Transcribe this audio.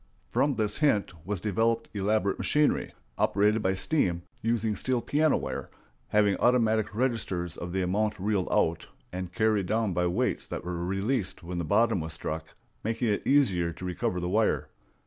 From this hint was developed elaborate machinery, operated by steam, using steel piano wire, having automatic registers of the amount reeled out, and carried down by weights that were released when the bottom was struck, making it easier to recover the wire.